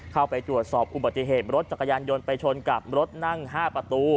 เข้าไปตรวจสอบอุบัติเหตุรถจักรยานยนต์ไปชนกับรถนั่ง๕ประตู